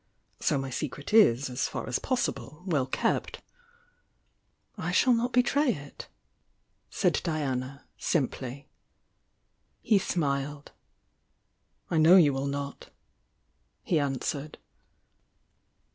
So my secret is, as far as possible, well kept." "I shall not betray it," said Diana, simply. He smiled. "I know you will not," he answered.